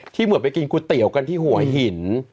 เหมือนไปกินก๋วยเตี๋ยวกันที่หัวหิน